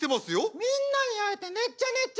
みんなに会えてねっちゃねっちゃうれしいねば。